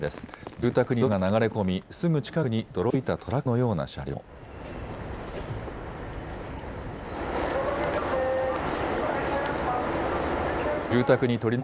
住宅に土砂が流れ込み、すぐ近くに泥のついたトラックのような車両も。